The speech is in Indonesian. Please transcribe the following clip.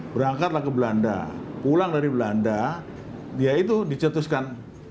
berangkatlah ke belanda pulang dari belanda dia itu dicetuskan